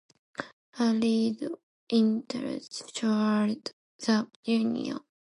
Allied International sued the union.